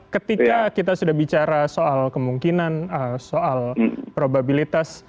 ketika kita sudah bicara soal kemungkinan soal probabilitas